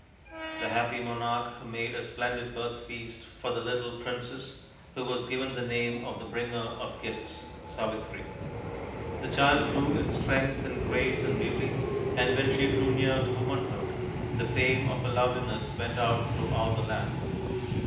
The happy monarch made a splendid birth feast for the little princess, who was given the name of the Bringer of Gifts Savitri. The child grew in strength and grace and beauty, and when she drew near to womanhood the fame of her loveliness went out through all the land.